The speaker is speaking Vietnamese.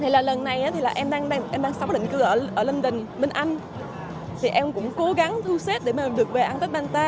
lần này em đang sống định cư ở london bên anh em cũng cố gắng thu xếp để được về ăn tết ban ta